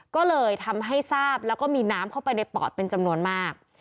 ก็เลยทำให้ทราบแล้วก็มีน้ำเข้าไปในปอดเป็นจำนวนมาก